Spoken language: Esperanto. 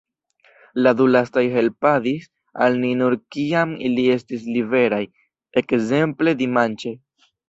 La du lastaj helpadis al ni nur kiam ili estis liberaj, ekzemple dimanĉe.